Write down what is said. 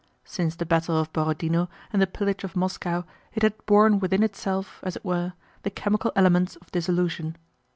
Since the battle of Borodinó and the pillage of Moscow it had borne within itself, as it were, the chemical elements of dissolution.